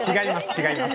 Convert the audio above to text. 違います